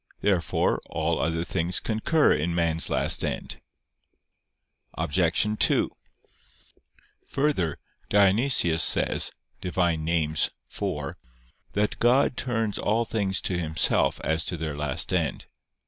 Therefore all other things concur in man's last end. Obj. 2: Further, Dionysius says (Div. Nom. iv) that "God turns all things to Himself as to their last end."